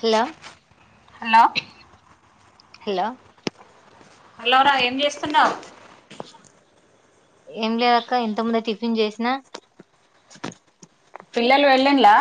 Hello hello hello హలోరా ఏం చేస్తున్నావ్ ఏం లేదక్క ఇంత ముందె టిఫిన్ చేసినా పిల్లలు వెల్లింలా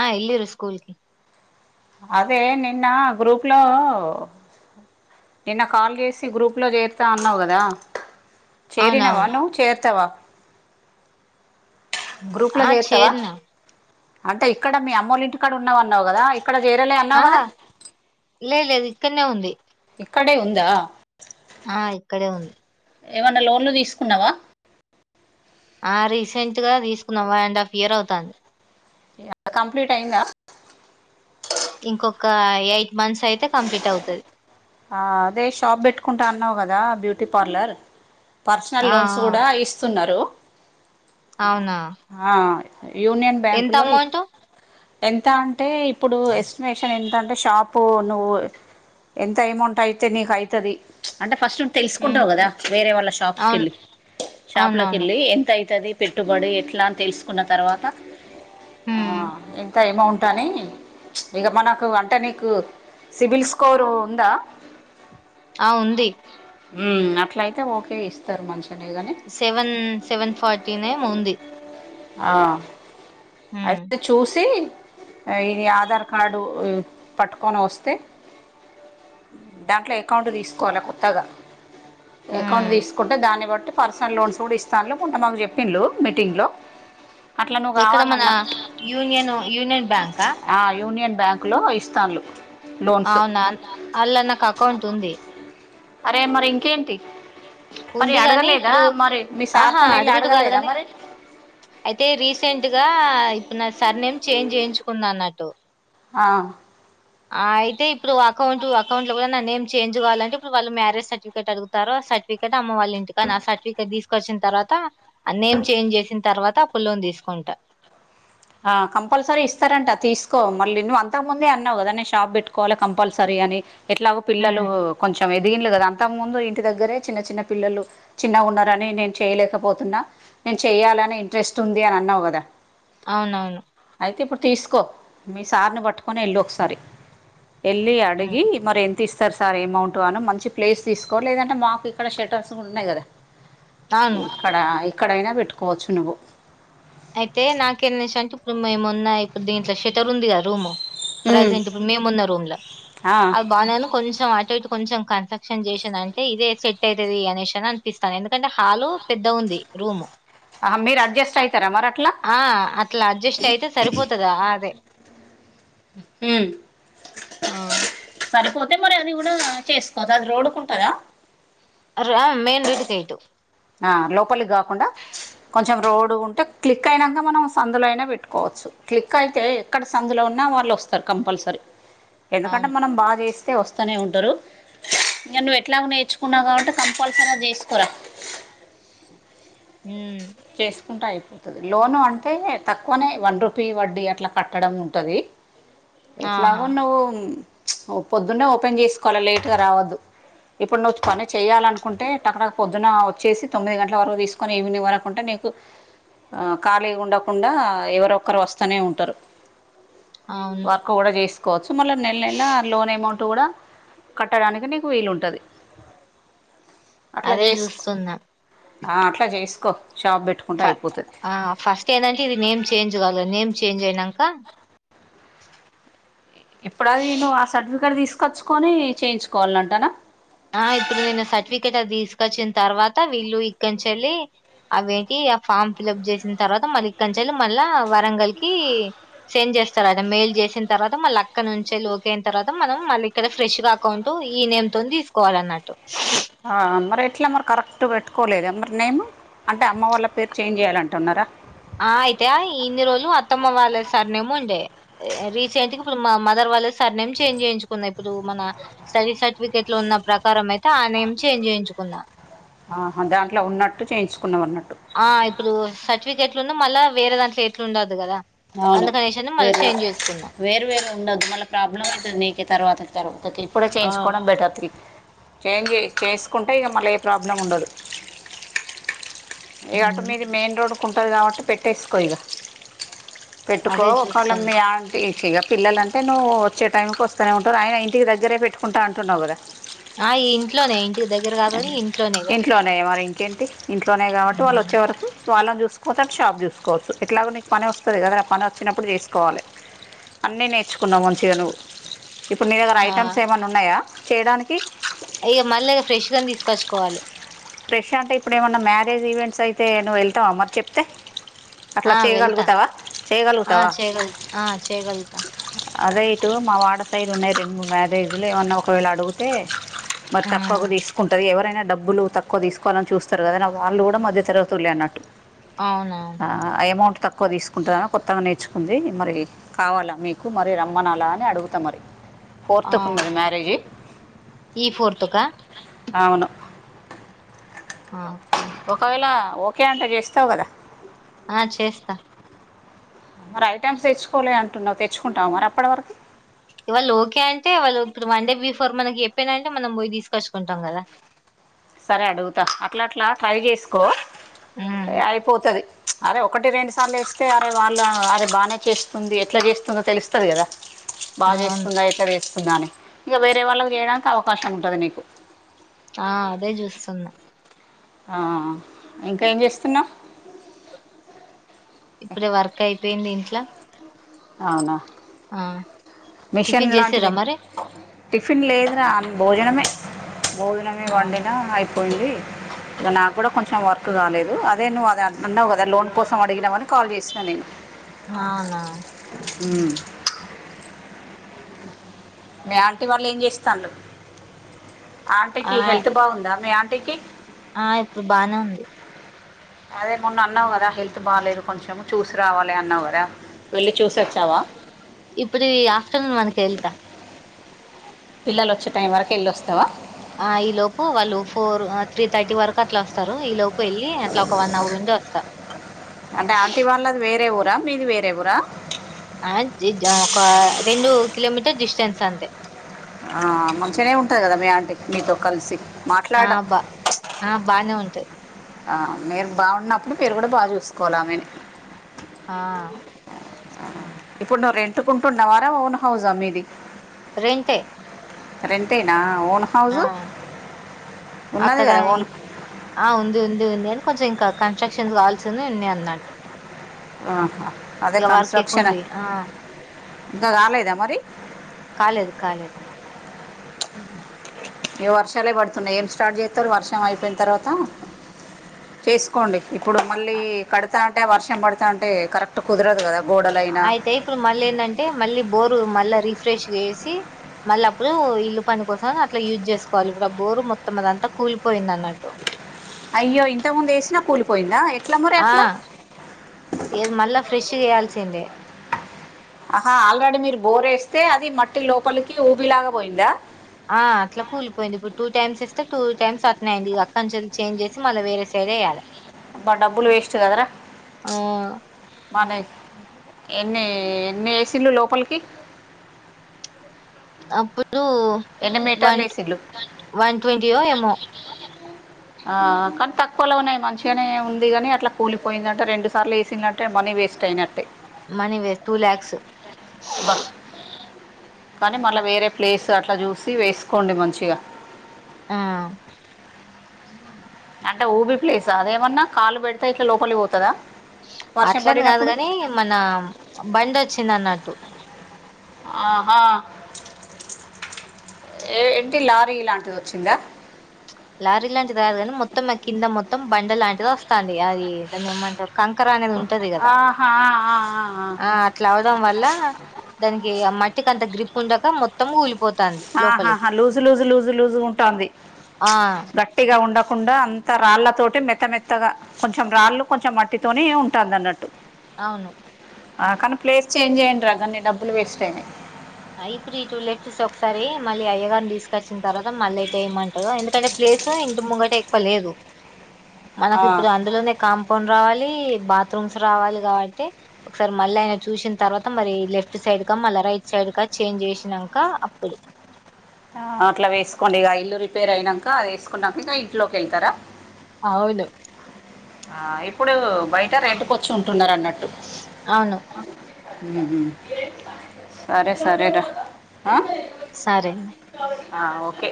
ఆ ఎల్లిరు స్కూల్ కి అదే నిన్న గ్రూప్ లో నిన్న కాల్ చేసి గ్రూప్లో చేరుతా అన్నావ్ కదా చేరినవా అవునవును నువ్వు చేరుతావా గ్రూప్ ల ఆ చేసరుతావా చేరిన అంటే ఇక్కడ మీ అమ్మోళ్ల ఇంటి కడ ఉన్నావన్నవ్ కదా ఇక్కడ చేరలే అం ఆహా లేద్ లేద్ ఇక్కన్నే ఉంది ఇక్కడే ఉందా ఆ ఇక్కడే ఉంది ఏమన్నా లోన్లు తీసుకున్నావా ఆ రీసెంట్ గా తీసుకున్నాం వన్ అండ్ హాఫ్ ఇయర్ అవుతంది కంప్లీట్ అయిందా ఇంక్కొక్క ఎయిట్ మంత్స్ అయితే కంప్లీట్ అవుతది ఆ అదే షాప్ పెట్టుకుంటా అన్నావు కదా బ్యూటీ పార్లర్ పర్సనల్ ఆ లోన్స్ కూడా ఇస్తున్నారు ఆ అవునా ఆ యూనియన్ ఎంత బ్యాంక్లో అమౌంట్ ఎంత అంటే ఇప్పుడు ఎస్టిమేషన్ ఎంత అంటే షాపు నువ్వు ఎంత అమౌంట్ అయితే నీకు అయితది అంటే ఫస్ట్ ఉమ్ తెలుసుకుంటవు కదా వేరే వాళ్ళ షాప్స్కి అవును కెళ్ళి షాప్ లోకి అవునవును వెళ్ళి ఎంత అవుతది పెట్టుబడి ఎట్లా అని తెలుసుకున్న తర్వాత ఆ ఉమ్ ఎంత అమౌంట్ టనే ఇక మనకు అంటే నీకు సిబిల్ స్కోరు ఉందా ఆ ఉంది అట్ల అయితే ఓకే ఇస్తరు మంచిగనే గని సెవెన్ సెవెన్ ఫార్టీనేమో ఉంది ఆ ఉమ్ అయితే చూసి ఈది ఆధార్ కార్డు పట్టుకొని వస్తే దాంట్లో అకౌంట్ తీసుకోవాలి కొత్తగా అకౌంట్ ఉమ్ తీసుకుంటే దాన్ని బట్టి పర్సనల్ లోన్స్ కూడా ఇస్తాండ్లు కొంత మాకు చెప్పిండ్లు మీటింగ్లో అట్లా నువ్వు ఎక్కడ మన కావాలన్నా యూనియన్ యూనియన్ బ్యాంకా ఆ యూనియన్ బ్యాంకులో ఇస్తాన్లు అవునా అల్ల నాకు అకౌంట్ ఉంది అరే మరి ఇంకేంటి మరి ఉంది గాని అడగలేదా ఇప్పుడు మరి మీ ఆహా సార్తోనెళ్ళి అడుగుడు కాదు అడగలేదా కాని మరి అయితే రీసెంట్ గా ఇప్పుడు నా సర్ నేమ్ చేంజ్ చేయించుకుందన్నట్టు ఆ ఆ అయితే ఇప్పుడు అకౌంట్ అకౌంట్ లో కూడా నా నేమ్ చేంజ్ కావాలంటె ఇప్పుడు వాళ్ళ మ్యారేజ్ సర్టిఫికట్ అగుతార్రు సట్ ఫికెట్ అమ్మ వాల్లింటి కాన ఆ సర్టిఫికెట్ తీసుకొచ్చిన తర్వాత ఆ నేమ్ చేంజ్ చేసిన తర్వాత అప్పుల్లోన్ తీసుకుంటా ఆ కంపల్సరీ ఇస్తారంట తీసుకో మళ్ళీ నువ్వు అంతకు ముందే అన్నావు కదా నే షాప్ పెట్టుకోవాలి కంపల్సరీ అని ఎట్లాగో పిల్లలు హ్మ్. కొంచెం ఎదిగిన్లు కదా అంత ముందు ఇంటి దగ్గరే చిన్న చిన్న పిల్లలు చిన్నగా ఉన్నారని నేను చేయలేకపోతున్నా నేను చెయాలని ఇంట్రెస్ట్ ఉంది అని అన్నావు కదా అవునవును అయితే ఇప్పుడు తీసుకో మీ సార్ని పట్టుకొని ఏళ్ళు ఒకసారి వెళ్లి హ్మ్. అడిగి మరి ఎంతిస్ స్టర్ సార్ ఏమౌంట్ అను మంచి ప్లేస్ తీసుకో లేదంటే మాకు ఇక్కడ షటర్స్ కూడా ఉన్నాయి కదా అవును ఇక్కడ ఇక్కడైనా పెట్టుకోవచ్చు నువ్వు అయితే నాకేనేష అంటే ఇప్పుడు మేమున్న ఇప్పుడు దీంట్లో షటర్ ఉంది గా రూమ్ ఉమ్ ప్రజెంట్ ఇప్పుడు మేము ఉన్న రూమ్ ల ఆ అది బానేను కొంచెం అటు ఇటు కొంచెం కన్స్ట్రక్షన్ చేసిందంటే ఇదే సెట్ ఐతది అనేసి అనిపిస్తాంది ఎందుకంటే హాలు పెద్దగుంది రూము హా మీరు అడ్జస్ట్ అ ఐతరా మరి అట్లా ఆ అట్లా అడ్జస్ట్ అయితే సరిపోతదా ఆదే హ్మ్ ఆ సరిపోతే మరి అది కూడా చేసుకోదు అది రోడ్కుంటందా అ మెయిన్ రోడ్డు గేటు ఆ లోపలికి గాకుండా కొంచం రోడ్ ఉంటే క్లిక్ అయినాక మనం సందులో అయినా పెట్టుకోవచ్చు క్లిక్ అయితే ఎక్కడ సందులో ఉన్నా వాళ్ళు వస్తరు కంపల్సరీ ఎందుకంటే అవును. మనం బాగా చేస్తే వస్తనే ఉంటారు ఇంకా నువ్వు ఎట్లాగో నేర్చుకున్నా కాబట్టి కంపల్సరీ చేసుకోరా ఉమ్ చేసుకుంటాయ్ లోను అంటే తక్కువనే వన్ రుపీ వడ్డీ అట్లా కట్టడం ఉంటది ఆహా! ఎట్లాగో నువ్వు పొద్దున్నే ఓపెన్ చేసుకోవాల లేట్గా రావద్దు ఇప్పుడు నువ్వు పని చేయాలనుకుంటే టకటక పొద్దున్న వచ్చేసి తొమ్మిది గంటల వరకు తీసుకొని ఈవినింగ్ వరకు ఉంటే నీకు ఆ ఖాళీగా ఉండకుండా ఎవరొక్కరు వస్తనే ఉంటారు అవును వర్క్ కూడా చేసుకోవచ్చు మళ్ళీ నెల నెల లోన్ అమౌంట్ కూడా కట్టడానికి నీకు వీలుంటది అట్లా అదే చేస్ జూస్తున్నా. ఆ అట్లా చేసుకో షాప్ పెట్టు ఫ ఆ ఫస్ట్ ఏందంటే ఇది నేమ్ చేంజ్ గాలే నేమ్ చేంజ్ అయినాక ఎప్పుడదిను ఆ సర్టిఫికేట్ తీసుకొచ్కొని చేయించుకోవాలంటనా ఆ ఇప్పుడు నేను సర్టిఫికేట్ అది తీసుకొచ్చిన తర్వాత వీళ్ళు ఇక్కన్చెల్లి అవేంటి ఆ ఫామ్ ఫిల్ప్ చేసిన తర్వాత మళ్ళీ ఇక్కన్చెలు మళ్ళా వరంగల్కి చెంచ్ చేస్తారయితే మెయిల్ చేసిన తరువాత మళ్ళ అక్కడ నుంచి వెళ్లి ఓకే అయిన తర్వాత మనం మళ్ళీ ఇక్కడ ఫ్రెష్గ ఎకౌంటూ ఈ నేమ్తో తీసుకోవాలన్నట్టు ఆ మరి ఎట్లా మరి కరెక్ట్ పెట్టుకోలేద మరి నేమ్ అంటే అమ్మ వాళ్ళ పేరు చేంజ్ చేయాల అంటున్నార ఆ అయితే ఇన్ని రోజులు మా అత్తమ్మ వాళ్ళే సర్నేమ్ ఉండే రీసెంట్గ ఇప్పుడు మా మదర్ వాళ్ళ సర్నేమ్ చేంజ్ చేయించుకున్నా ఇప్పుడు మన స్టడీ సర్టిఫికేట్లు ఉన్న ప్రకారం అయితే ఆ నేమ్ చేంజ్ చేయించుకున్నా ఆహా దాంట్లో ఉన్నట్టు చేయించుకున్న ఉన్నట్టు ఆ ఇప్పుడు సర్టిఫికెట్లు ఉన్న మళ్ళా వేరే దాంట్లో ఎట్లు ఉండదు కదా అవును అందుకనేసని మళ్ళీ వేర్వే చేంజ్ చేసుకున్నా వేరు వేరు ఉండద్దు మళ్ళ ప్రాబ్లం అవుతది నీకే తర్వాత తర్వాత ఇప్పుడే ఆ చేయించుకోవడం బెటర్ త్రి చేంజ్ చే చేసుకుంటే ఇగ మళ్ళీ ఏ ప్రాబ్లం ఉండదు ఇ అటు ఉమ్ మీది మెయిన్ రోడ్కి ఉంటుంది కాబట్టి పెట్టేసుకో ఇగ పెట్టుకో అదే ఒకాళ చూస్తున్నా మీయ టిచిగ పిల్లలంటే నువ్వు వచ్చే టైమ్కి వస్తనే ఉంటారు ఆయన ఇంటి దగ్గరే పెట్టుకుంటా అంటున్నావు కదా ఆ ఇంట్లోనే ఇంటికి దగ్గర కాదు కాని ఇంట్లోనే ఇగ ఇంట్లోనే మరి ఇంకేంటి ఇంట్లోనే కాబట్టి వాళ్ళు వ ఉమ్ చ్చే వరకు వాళ్ళని చూస్పోతే అటు షాప్ చూసుకోవచ్చు ఎట్లాగ నీకు పని వస్తది కదా పని వచ్చినప్పుడు చేసుకోవాలి అన్నీ నేర్చుకున్నావు మంచిగా నువ్వు ఇప్పుడు నీ దగ్గర ఆ ఐటమ్స్ ఏమన్నా ఉన్నాయా చేయడానికి ఇగ మళ్ళీ ఫ్రెష్గా తీస్కొచ్చుకోవాలి ఫ్రెష్ అంటే ఇప్పుడు ఏమన్నా మ్యారేజ్ ఈవెంట్స్ అయితే నువ్వు వెళ్తావ మరి చెప్తే అట్లా ఆ వెళ్తా చేయగలుగుతావా ఆ చేయగలుగుతావా చేయగలుగుతా ఆ చేయగలుగుతా అదే ఇటు మా వాడ సైడ్ ఉన్నాయి రెండు మూడు మ్యారేజ్లు ఏమన్నా ఒకవేళ అడుగు టే మరి తక్కువకు ఉమ్ తీసు ఎవరైనా డబ్బులు తక్కువ తీసుకోవాలని చూస్తారు కదా వాళ్ళు కూడా మధ్య తరగతులే అన్నట్టు అవునా ఆ అమౌంట్ తక్కువ తీసుకుంటుంరా కొత్తగా నేర్చుకుంది మరి కావాలా మీకు మరి రమ్మనలా అని అడుగుతా మరి ఆ ఫోర్త్కు ఉన్నది మ్యారేజీ ఈ ఫోర్త్ క అవును ఆ ఓకే ఒకవేళ ఒకే అంటే చేస్తవు కదా ఆ చేస్తా మరి ఐటమ్స్ తెచ్చుకోలే అంటున్నావు తెచ్చుకుంటావ మరి అప్పటి వరకి ఇవాళ ఓకే అంటే వాళ్ళు ఇప్పుడు వన్ డే బిఫోర్ మనకి చెప్పిరూ అంటే మనం పోయి తీసుకొచ్చుకుంటాం కదా సరే అడుగుతా అట్లాట్లా ట్రై చేసుకో ఉమ్ అయిపోతది అరే ఒకటి రెండు సార్లు చేస్తే అరే వాళ్ళు అరే బానే చేస్తుంది ఎట్లా చేస్తుందో తెలుస్తది కదా బాగా అవును చేస్తుందా ఎట్లా చేస్తుందా అని ఇంక వేరే వాళ్ళకి చేయడానికి అవకాశం ఉంటాది నీకు ఆ అదే చూస్తున్న ఆ ఇంక ఏమ్ చేస్తున్నావు ఇప్పుడే వర్క్ అయిపోయింది ఇంట్లో అవునా ఆ మిషన్ టిఫిన్ లాంటిది చేసిర్రా మరి టిఫిన్ లేదురా అ భోజనమే భోజనమే అవును వండినా అయి పోయింది ఇగ నాకు కూడా కొంచెం వర్క్ కాలేదు అదే నువ్వు అది అన్నావు కదా లోన్ కోసం అడిగినామని కాల్ చేసినా నేను అవునా మీ ఆంటీ వాళ్ళు ఏం చేస్తాళ్ళు ఆ ఆంటీకి హెల్త్ బాగుందా మీ ఆంటీకి ఆ ఇప్పుడు బానే ఉంది అదే మొన్న అన్నావు కదా హెల్త్ బాలేదు కొంచెం చూసి రావాలి అన్నావు కదా వెళ్ళి చూసోచ్చావా ఇప్పుడు ఈ ఆఫ్టర్నూన్ వరకు వెళతా పిల్లలు వచ్చే టైం వరకు వెళ్లి వస్తావా ఆ ఈ లోపు వాళ్ళు ఫోర్ త్రీ థర్టీ వరకు అట్లా వస్తారు ఈ లోపు వెల్లి అట్లా ఒక వన్ అవర్ ఉండి వస్తా అంటే ఆంటీ వాళ్ళది వేరే ఉరా మీది వేరా వురా ఆ జీ జా ఒక రెండు కిలోమీటర్ డిస్టెన్స్ అంతే ఆ మంచిగానే ఉంటాది కదా మీ ఆంటి మీతో కలిసి మా ఆ బా ఆ బానే ఉంటది ఆ మీరు బాగున్నప్పుడు మీరు కూడా బాగా చూసుకోవాల ఆమెని ఆ ఇప్పుడు నువ్వు రెంట్ కు ఉంటున్నావారా ఓన్ హౌస్ హా మీది రెంటే రెంటే నా ఓన్ హౌస్ ఆ ఉన్నది అక్కడ కదా ఇ ఓన్ ఆ ఉంది ఉంది ఉంది అని కొంచెం ఇంకా కన్స్ట్రక్షన్స్ కావాల్సింది ఉన్నాయి అన్నట్టు ఆహా అదే ఇక వర్క్ ఎక్కువ కన్స్ట్రక్షన్ ఉంది ఆ ఇంకా కాలేదా మరి కాలేదు కాలేదు ఏ వర్షాలే పడుతున్నాయి ఏం స్టార్ట్ చేస్తారు వర్షం అయిపోయిన తర్వాత చేసుకోండి ఇప్పుడు మళ్ళీ కడతానంటే వర్షం పడుతా ఉంటే కరెక్ట్ కుదరదు కదా గోడలైనా అయితే ఇప్పుడు మళ్ళ ఏంటంటే మళ్ళీ బోరు మళ్ళా రిఫ్రెష్గా చేసి మళ్ళ అప్పుడు ఇల్లు పని కోసం అట్లా యూజ్ చేసుకోవాలి ఇప్పుడు ఆ బోరు మొత్తం అదంతా కూలిపోయింది అన్నట్టు అయ్యో ఇంత ముందు వేసినా కూలిపోయిందా ఏ ఆ ఇగ అది మళ్ళా ఫ్రెష్గా వేయాల్సిందే ఆహా ఆల్రెడీ మీరు బోర్ వేస్తే అది మట్టి లోపలికి ఊబి లాగా పోయిందా ఆ అట్లా కూలిపోయింది ఇప్పుడు టూ టైమ్స్ ఏస్తే టూ టైమ్స్ అట్నే అయింది ఈగ అక్కడ నుంచి చేంజ్ చేసి మళ్ళీ వేరే సైడ్ వేయ్యలే అబ్బా డబ్బులు వేస్ట్ కదరా ఆ బానే ఎన్ని ఎన్ని ఏసీళ్ళు లోపలికి అప్పుడు ఎన్ని మీటర్లు వన్ వన్ ట్వంటీయో ఏమో మనకు ఆ కానీ తక్కువలో మంచిగానే ఉంది కాని అట్లా కూలిపోయిందంటే రెండు సార్ల వేసినట్ అంటే మనీ వేస్ట్ అయినట్టే మనీ వేస్ టూ లాక్స్ బ్బ కానీ మళ్ళా వేరే ప్లేస్ అట్లా చూసి వేసుకోండి మంచిగా అ అంటే ఊబి ప్లేస అదేమన్నా కాళ్ళు పెడితే ఇట్లా లోపలి పోతదా అట్లని కాదు కాని మన బండి వచ్చింది అన్నట్టు ఆహా ఏ ఏంటి లారీ లాంటిది వచ్చిందా లారీ లాంటిది కాదు కానీ మొత్తం కింద మొత్తం బండ లాంటిది వస్తాంది అది దాన్ని ఏమంటారు కంకర అనేది ఉంటది కదా ఆహా ఆహా, ఆహా. ఆ అట్లా అవడం వల్ల దానికి ఆ మట్టికి అంత గ్రిప్ ఉండక మొత్తం మొత్తం కూలిపోతాంది ఆహాహా లోపలికి లూజు లూజు లూజు లూజు గా ఉంటంది ఆ గట్టిగా ఉండకుండా అంత రాళ్ళతోటి మెత్త మెత్తగా కొంచెం రాళ్ళు కొంచెం మట్టితోని ఉంటాంది అన్నట్టు అవును ఆ కానీ ప్లేస్ చేంజ్ చేయండి రా గన్ని డబ్బులు వెస్ట్ అయినయ్ హైబ్రిడ్ టూ లెట్స్ ఒకసారి మళ్ళీ అయ్య గారిని తీసుకొచ్చిన తర్వాత మళ్ళీ ఎటేయమంటాడో ఎందుకంటే ప్లేసు ఇంటి ముంగట ఎక్కువ లేదు ఆ, మనకి ఇప్పుడు అందులోనే కాంపౌండ్ రావాలి బాత్రూమ్స్ రావాలి కాబట్టి ఒకసారి మళ్ళీ ఆయన చూసిన తర్వాత మరి సైడ్ సైడ్ క మళ్ళీ రైట్ సైడ్ కా చేంజ్ చేసినంక అప్పుడు అట్లా వేసుకోండి ఇగ ఇల్లు రిపేర్ అయినాక అది వేసుకున్నాక ఇగ ఇంట్లోకి వెళ్తార అవును ఆ ఇప్పుడు బయట రెంట్ కొచ్చి ఉంటున్నారు అన్నట్టు అవును మ్ మ్ సరే సరే రా ఆ సరే ఆ ఓకే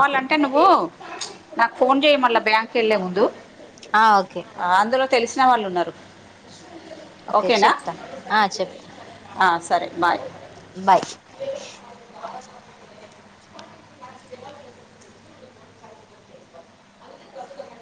ఓకే నువ్వు నాకు ఫోన్ చేయ్ మళ్ళ బ్యాంకేళ్ళే ముందు ఆ ఓకే ఆ అందులో తెలిసిన వాళ్ళు ఉన్నారు ఓకే ఓకేనా చెప్తా ఆ చెప్తా ఆ సరే బాయ్ బాయ్ [unintelligible] [unintelligible]